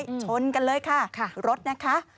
ชนกันเลยค่ะรถนะคะ